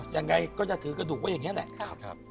ยังไงก็จะถือกระดูกไว้อย่างนี้แหละ